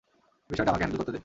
বিষয়টা আমাকে হ্যান্ডেল করতে দে।